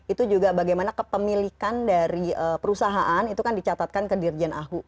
itu juga bagaimana kepemilikan dari perusahaan itu kan dicatatkan ke dirjen ahu